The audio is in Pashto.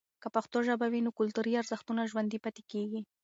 که پښتو ژبه وي، نو کلتوري ارزښتونه ژوندۍ پاتې کیږي.